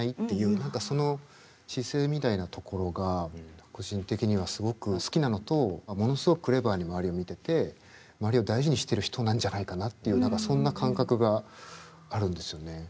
何かその姿勢みたいなところが個人的にはすごく好きなのとものすごくクレバーに周りを見てて周りを大事にしてる人なんじゃないかなっていう何かそんな感覚があるんですよね。